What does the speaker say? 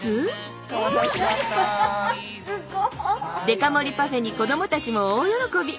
デカ盛りパフェに子どもたちも大喜び！